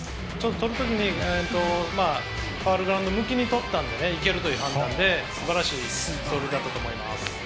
とる時にファウルグラウンド向きにとったので、いけるという判断で素晴らしいと思います。